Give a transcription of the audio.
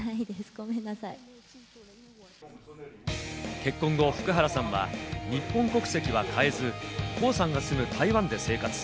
結婚後、福原さんは日本国籍は変えず、コウさんが住む台湾で生活。